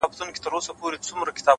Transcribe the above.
نظم د وخت د ساتنې هنر دی’